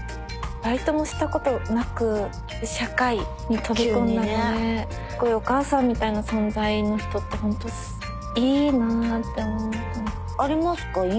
バイトもしたことなく社会に飛び込んだのでお母さんみたいな存在の人ってほんといいなって思いますね。